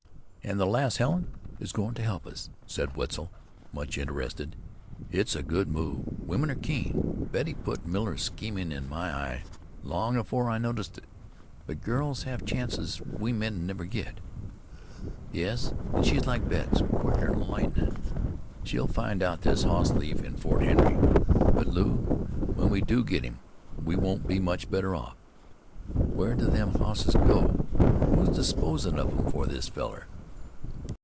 "An' the lass Helen is goin' to help us," said Wetzel, much interested. "It's a good move. Women are keen. Betty put Miller's schemin' in my eye long 'afore I noticed it. But girls have chances we men'd never get." "Yes, an' she's like Betts, quicker'n lightnin'. She'll find out this hoss thief in Fort Henry; but Lew, when we do get him we won't be much better off. Where do them hosses go? Who's disposin' of 'em for this fellar?"